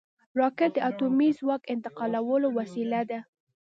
راکټ د اټومي ځواک انتقالولو وسیله ده